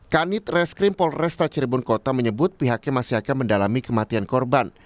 kanit reskrim polresta cirebon kota menyebut pihaknya masih akan mendalami kematian korban